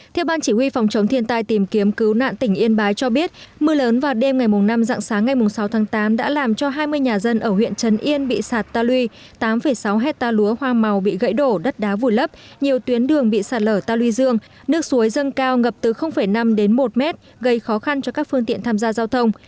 theo ban chỉ huy phòng chống thiên tai tìm kiếm cứu nạn tỉnh yên bái cho biết mưa lớn vào đêm ngày năm dạng sáng ngày sáu tháng tám đã làm cho hai mươi nhà dân ở huyện trấn yên bị sạt ta luy tám sáu hectare lúa hoa màu bị gãy đổ đất đá vùi lấp nhiều tuyến đường bị sạt lở ta luy dương nước suối dâng cao ngập từ năm đến một mét gây khó khăn cho các phương tiện tham gia giao thông